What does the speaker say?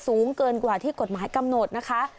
สูงเกินกว่าที่กฎหมายกำหนดนะคะ